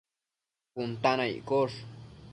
cun ta na iccosh